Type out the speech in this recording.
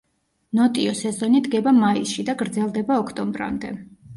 ნოტიო სეზონი დგება მაისში და გრძელდება ოქტომბრამდე.